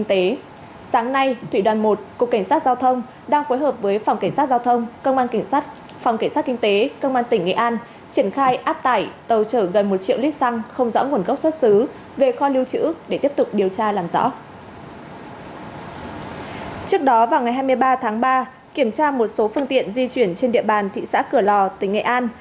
trước đó vào ngày hai mươi ba tháng ba kiểm tra một số phương tiện di chuyển trên địa bàn thị xã cửa lò tỉnh nghệ an